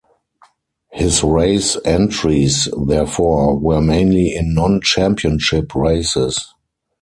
His race entries, therefore, were mainly in non-championship races.